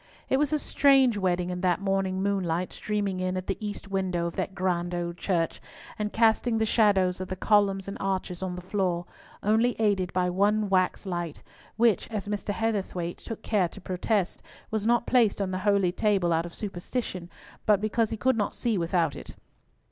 It was a strange wedding in that morning moonlight streaming in at the east window of that grand old church, and casting the shadows of the columns and arches on the floor, only aided by one wax light, which, as Mr. Heatherthwayte took care to protest, was not placed on the holy table out of superstition, but because he could not see without it.